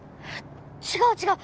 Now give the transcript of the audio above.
違う違う